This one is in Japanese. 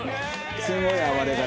すごい暴れ方。